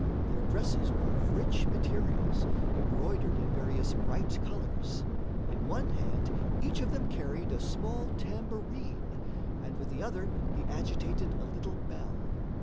Their dresses were of rich materials, embroidered in various bright colors. In one hand each of them carried a small tambourine and with the other he agitated a little bell.